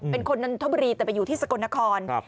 นันทบุรีแต่ไปอยู่ที่สกลนคร